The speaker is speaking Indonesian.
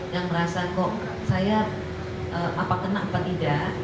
yang merasa kok saya apa kena apa tidak